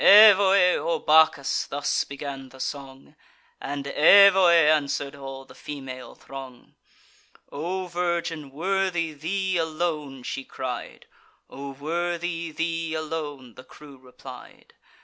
"Evoe! O Bacchus!" thus began the song; And "Evoe!" answer'd all the female throng. "O virgin! worthy thee alone!" she cried; "O worthy thee alone!" the crew replied.